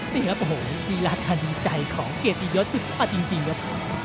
เนี่ยครับโอ้โหดีละท่านดีใจของเกลียดตียอดขึ้นมาจริงจริงครับ